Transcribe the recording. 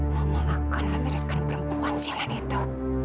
mama akan memeriskan perempuan si alain itu